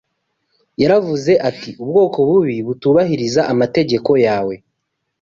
Yaravuze ati ubwoko bubi butubahiriza amategeko yawe